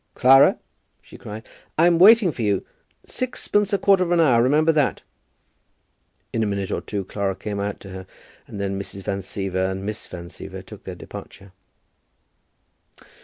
"Clara," she cried, "I'm waiting for you sixpence a quarter of an hour, remember that." In a minute or two Clara came out to her, and then Mrs. Van Siever and Miss Van Siever took their departure.